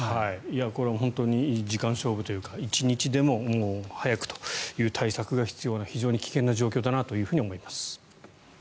これは本当に時間勝負というか一日でも早くという対策が必要な非常に危険な状況だなと思います。